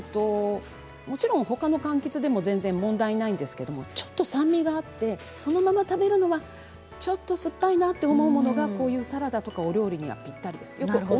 もちろん、ほかのかんきつでも全然問題はありませんけれど酸味があってそのまま食べるのはちょっと酸っぱいなと思うものがこういうサラダとかお料理にはぴったりだと思います。